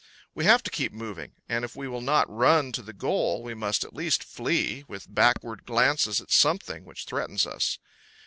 We have to keep moving, and if we will not run to the goal, we must at least flee, with backward glances at something which threatens us.